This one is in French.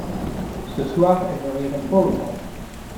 Ce soir elles ne riront pas autant.